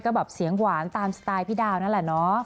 ก็แบบเสียงหวานตามสไตล์พี่ดาวนั่นแหละเนาะ